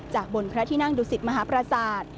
จากบนพระที่นั่งดุสิตมหาประสาท